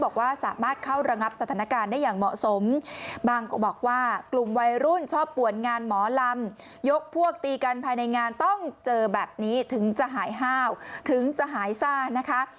กันภายในงานต้องเจอแบบนี้ถึงจะหายห้าวถึงจะหายซ่านะคะ